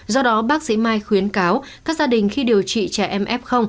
do đó bác sĩ mai khuyến cáo các gia đình khi điều trị trẻ em f